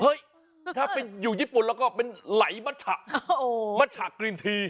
เฮ้ยถ้าเป็นอยู่ญี่ปุ่นแล้วก็เป็นไหล้บัตรชะกรีนที